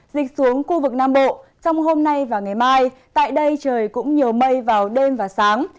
dịch xuống khu vực nam bộ trong hôm nay và ngày mai tại đây trời cũng nhiều mây vào đêm và sáng